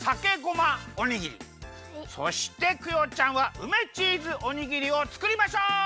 そしてクヨちゃんはうめチーズおにぎりをつくりましょう！